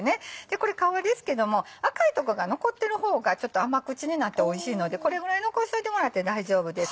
これ皮ですけども赤いとこが残ってる方がちょっと甘口になっておいしいのでこれぐらい残しといてもらって大丈夫です。